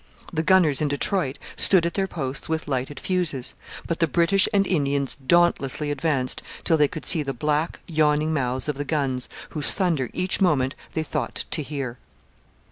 The gunners in Detroit stood at their posts with lighted fuses, but the British and Indians dauntlessly advanced till they could see the black, yawning mouths of the guns, whose thunder each moment they thought to hear.